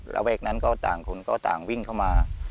ระแวกนั้นก็ต่างคนก็ต่างวิ่งเข้ามา